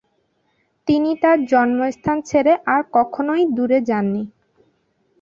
তিনি তার জন্মস্থান ছেড়ে আর কখনই দূরে যাননি।